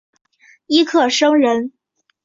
尹克升人。